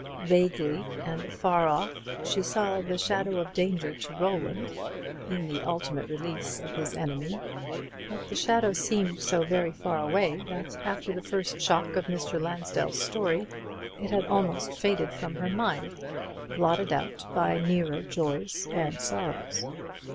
Vaguely and afar off she saw the shadow of danger to Roland, in the ultimate release of his enemy; but the shadow seemed so very far away, that after the first shock of Mr. Lansdell's story, it had almost faded from her mind, blotted out by nearer joys and sorrows.